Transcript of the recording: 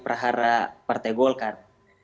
perahara partai golkar